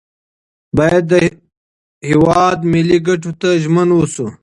باید د هیواد ملي ګټو ته ژمن اوسو.